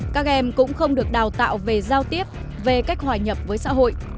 các em cũng không được đào tạo về giao tiếp về cách hòa nhập với xã hội